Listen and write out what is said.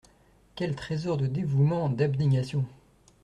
Quel trésor de dévouement, d’abnégation !